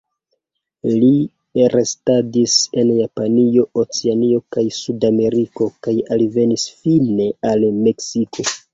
Li restadis en Japanio, Oceanio kaj Sudameriko, kaj alvenis fine al Meksiko.